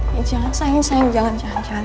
ya jangan sayang sayang jangan jangan jangan